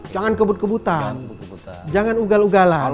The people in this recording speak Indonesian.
jangan kebut kebutan jangan ugal ugalan